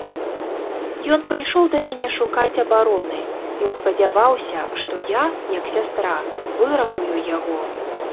Ён прыйшоў да мяне шукаць абароны, ён спадзяваўся, што я, як сястра, выратую яго.